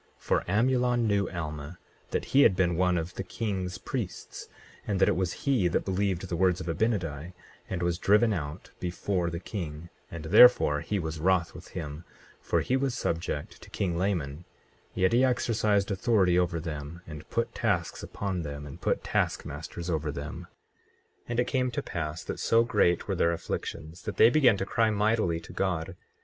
24:9 For Amulon knew Alma, that he had been one of the king's priests, and that it was he that believed the words of Abinadi and was driven out before the king, and therefore he was wroth with him; for he was subject to king Laman, yet he exercised authority over them, and put tasks upon them, and put task masters over them. 24:10 And it came to pass that so great were their afflictions that they began to cry mightily to God.